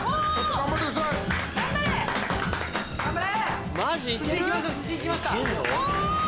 頑張れ！